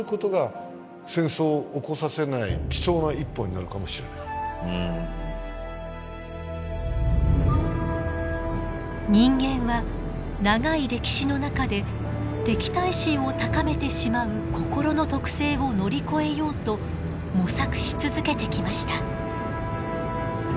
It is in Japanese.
今だからおっしゃったように例えば今人間は長い歴史の中で敵対心を高めてしまう心の特性を乗り越えようと模索し続けてきました。